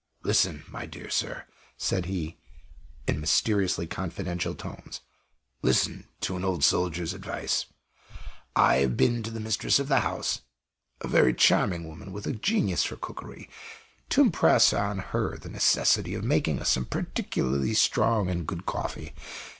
"Listen, my dear sir," said he, in mysteriously confidential tones "listen to an old soldier's advice. I have been to the mistress of the house (a very charming woman, with a genius for cookery!) to impress on her the necessity of making us some particularly strong and good coffee.